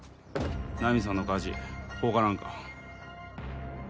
ナミさんの火事放火なんか？